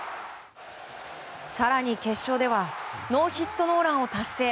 更に、決勝ではノーヒットノーランを達成。